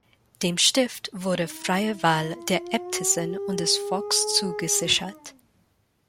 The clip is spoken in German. Dem Stift wurde freie Wahl der Äbtissin und des Vogts zugesichert.